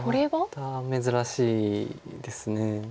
また珍しいです。